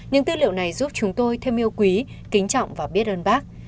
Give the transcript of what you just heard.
những tư liệu này giúp chúng tôi thêm yêu quý kính trọng và biết ơn bác